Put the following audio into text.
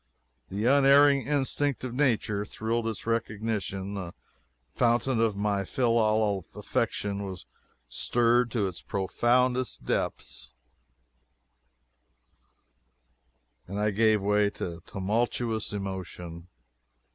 The unerring instinct of nature thrilled its recognition. The fountain of my filial affection was stirred to its profoundest depths, and I gave way to tumultuous emotion.